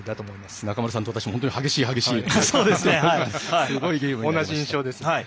中村さんと私も本当に激しい激しいって同じ印象です。